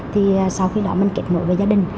thì sau khi đó mình kết nối với gia đình